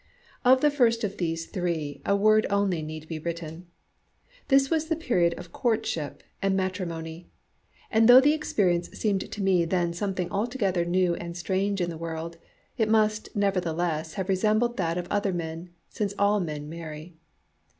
Of the first of these three a word only need be written. This was the period of courtship and matrimony; and though the experience seemed to me then something altogether new and strange in the world, it must nevertheless have resembled that of other men, since all men marry.